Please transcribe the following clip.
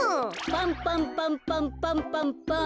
パンパンパンパンパンパンパン。